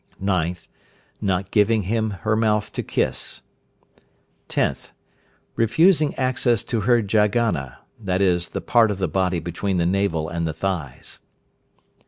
9th. Not giving him her mouth to kiss. 10th. Refusing access to her Jaghana, i.e., the part of the body between the navel and the thighs.